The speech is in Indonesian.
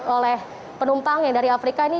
oleh penumpang yang dari afrika ini